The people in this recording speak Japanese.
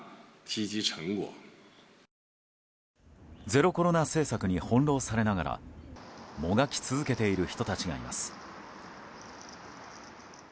ゼロコロナ政策に翻弄されながらもがき続けている人たちがいます。